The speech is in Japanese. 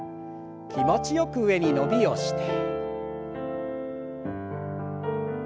気持ちよく上に伸びをして。